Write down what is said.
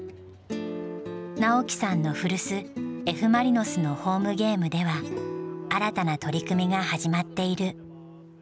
直樹さんの古巣Ｆ・マリノスのホームゲームでは新たな取り組みが始まっている。